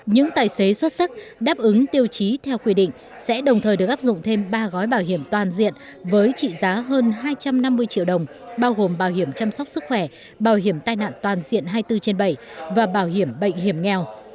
những tài xế xuất sắc đáp ứng tiêu chí theo quy định sẽ đồng thời được áp dụng thêm ba gói bảo hiểm toàn diện với trị giá hơn hai trăm năm mươi triệu đồng bao gồm bảo hiểm chăm sóc sức khỏe bảo hiểm tai nạn toàn diện hai mươi bốn trên bảy và bảo hiểm bệnh hiểm nghèo